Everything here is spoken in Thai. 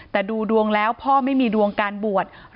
แต่ดูดวงแล้วพ่อไม่มีดวงการบวช